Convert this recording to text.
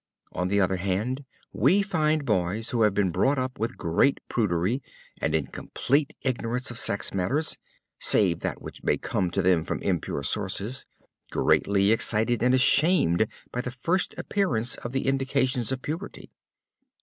On the other hand, we find boys who have been brought up with great prudery and in complete ignorance of sex matters (save that which may come to them from impure sources) greatly excited and ashamed by the first appearance of the indications of puberty.